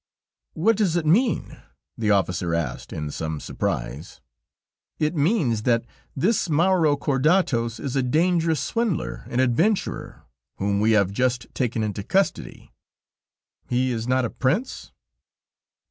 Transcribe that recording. "What does it mean?" the officer asked, in some surprise. "It means that this Maurokordatos is a dangerous swindler and adventurer, whom we have just taken into custody." "He is not a prince?"